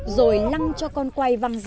rồi lăng cho con quay văng ra